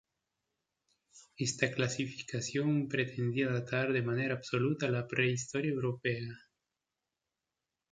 Esta clasificación pretendía datar de manera absoluta la prehistoria europea.